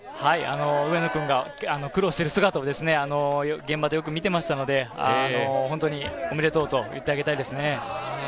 上野君が苦労してる姿を現場でよく見ていましたので、本当におめでとうと言ってあげたいですね。